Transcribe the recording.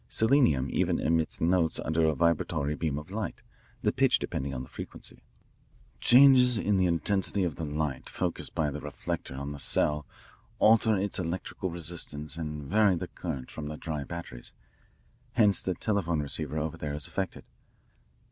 Selenium even emits notes under a vibratory beam of light, the pitch depending on the frequency. Changes in the intensity of the light focused by the reflector on the cell alter its electrical resistance and vary the current from the dry batteries. Hence the telephone receiver over there is affected.